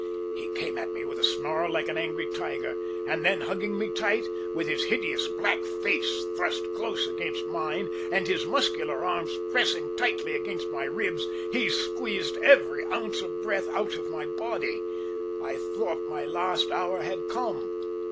He came at me with a snarl like an angry tiger, and then, hugging me tight, with his hideous black face thrust close against mine, and his muscular arms pressed tightly around my ribs, he squeezed every ounce of breath out of my body. I thought my last hour had come.